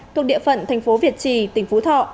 thuộc địa phận thành phố việt trì tỉnh phú thọ